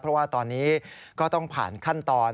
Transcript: เพราะว่าตอนนี้ก็ต้องผ่านขั้นตอน